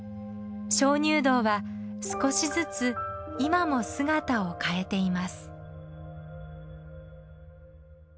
鍾乳洞は少しずつ今も姿を変えています。